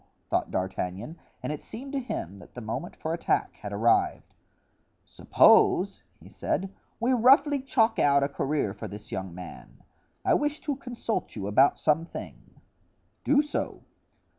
thought D'Artagnan, and it seemed to him that the moment for attack had arrived. "Suppose," he said, "we roughly chalk out a career for this young man. I wish to consult you about some thing." "Do so."